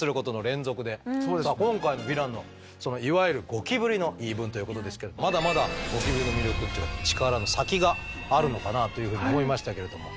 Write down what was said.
今回のヴィランのいわゆるゴキブリの言い分ということですけどまだまだゴキブリの魅力っていうか力の先があるのかなあというふうに思いましたけれども。